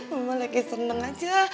mama lagi seneng aja